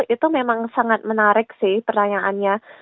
itu memang sangat menarik sih pertanyaannya